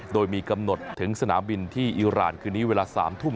โดยมีกำหนดถึงสนามบินที่อิราณคืนนี้เวลา๓ทุ่ม